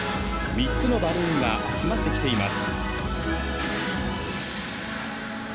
３つのバルーンが集まってきています。